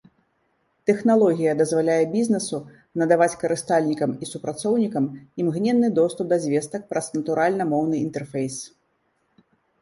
Тэхналогія дазваляе бізнэсу надаваць карыстальнікам і супрацоўнікам імгненны доступ да звестак праз натуральна-моўны інтэрфейс.